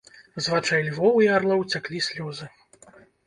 З вачэй львоў і арлоў цяклі слёзы.